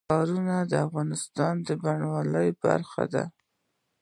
ښارونه د افغانستان د بڼوالۍ برخه ده.